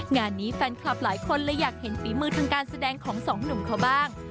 งานนี้แฟนคลับหลายคนเลยอยากเห็นฝีมือทางการแสดงของสองหนุ่มเขาบ้าง